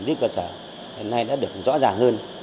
giúp cơ sở hiện nay đã được rõ ràng hơn